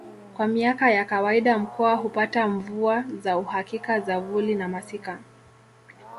Kwa miaka ya kawaida mkoa hupata mvua za uhakika za vuli na masika